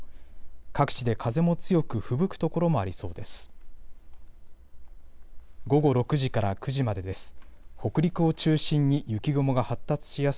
各地で風も強くふぶく所もありそうです。